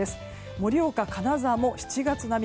盛岡、金沢も７月並み。